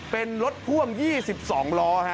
เป็นรถพ่วง๒๒ล้อ